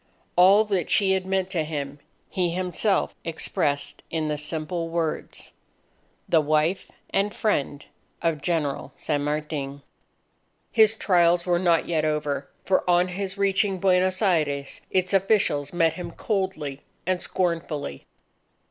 All that she had meant to him, he himself expressed in the simple words: "The wife and friend of General San Martin." His trials were not yet over. For on his reaching Buenos Aires, its officials met him coldly and scornfully.